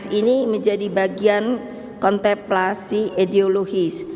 sebab rakernas ini menjadi bagian kontemplasi ideologis